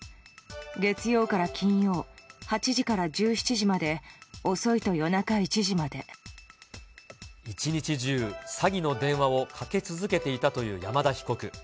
月曜から金曜、８時から１７時まで、一日中、詐欺の電話をかけ続けていたという山田被告。